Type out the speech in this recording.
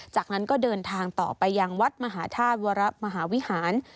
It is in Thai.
จากนั้นก็เดินทางต่อไปยังวัดมหาธาตุวรมหาวิหาร